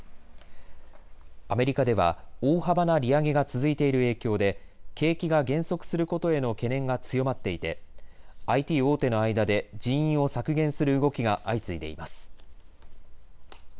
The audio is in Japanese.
アメリカでは大幅な利上げが続いている影響で、景気が減速することへの懸念が強まっていてＩＴ大手の間で人員を削減する動きが相次いでいます。